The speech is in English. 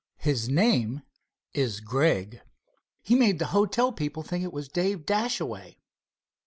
His name is Gregg." "He made the hotel people think it was Dave Dashaway."